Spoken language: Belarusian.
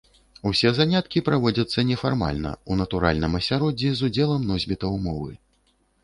Усе заняткі праводзяцца нефармальна, у натуральным асяроддзі з удзелам носьбітаў мовы.